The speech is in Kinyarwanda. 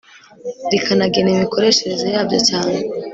rikanagena imikoreshereze yabyo cyane